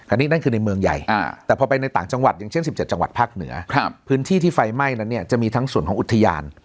อันนี้นั่นคือในเมืองใหญ่แต่พอไปในต่างจังหวัดอย่างเช่น๑๗จังหวัดภาคเหนือพื้นที่ที่ไฟไหม้นั้นเนี่ยจะมีทั้งส่วนของอุทยาน